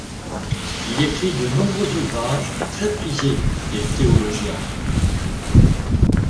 Il écrit de nombreux ouvrages très prisés des théologiens.